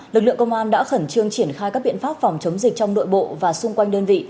lực lượng công an đã khẩn trương triển khai các biện pháp phòng chống dịch trong nội bộ và xung quanh đơn vị